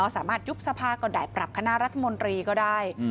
สามารถยุบสภาก็ได้ปรับคณะรัฐมนตรีก็ได้